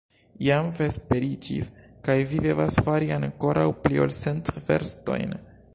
Jam vesperiĝis, kaj vi devas fari ankoraŭ pli ol cent verstojn?